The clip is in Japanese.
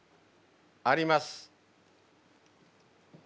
あります。